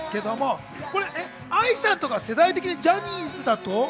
愛さんとか、世代的にジャニーズだと？